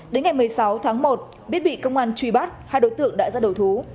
đến ngày một mươi sáu tháng một biết bị công an truy bắt hai đối tượng đã ra đầu thú